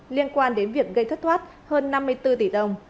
liên quan đến việc gây thất thoát hơn năm mươi bốn tỷ đồng